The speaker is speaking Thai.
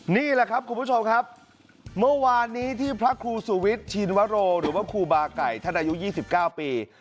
นี่แหละครับคุณผู้ชมครับเมื่อวานนี้ที่พระครูสุวิทย์ชินวโรหรือว่าครูบาไก่ท่านอายุ๒๙ปี